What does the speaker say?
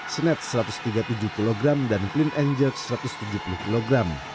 snatch satu ratus tiga puluh tujuh kg dan clean and jerk satu ratus tujuh puluh kg